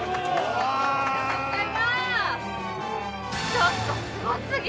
ちょっとすごすぎ。